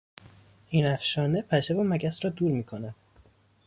این افشانه پشه و مگس را دور میکند.